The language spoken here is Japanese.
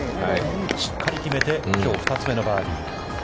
しっかり決めて、きょう２つ目のバーディー。